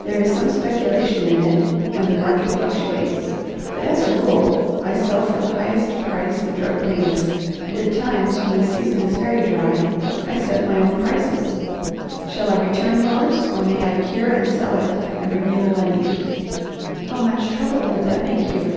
There is some speculation in it, and the market fluctuates: but, as a rule, I sell for the highest price the drug brings, and, at times when the season is very dry, I set my own prices. Shall I return yours or may I cure and sell it, and bring you the money?" "How much trouble would that make you?"